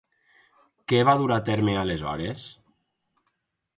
Què va dur a terme, aleshores?